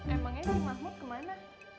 emangnya si mahmud kemana